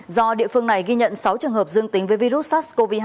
do địa phương này ghi nhận sáu trường hợp dương tính với virus sars cov hai